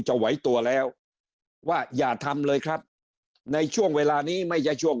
ไหวตัวแล้วว่าอย่าทำเลยครับในช่วงเวลานี้ไม่ใช่ช่วง